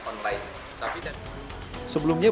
sebelumnya badan pengawas obat dan makanan diwawancara